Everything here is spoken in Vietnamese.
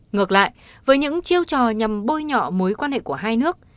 ngược lại với những chiêu trò nhằm bôi nhọ mối quan hệ của hai nước